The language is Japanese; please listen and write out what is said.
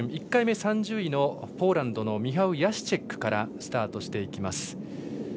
１回目、３０位のポーランドのミハウ・ヤシチェックからスタートしていきます。